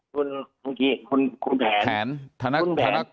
ธนุกรเหลืองมายอี่ยม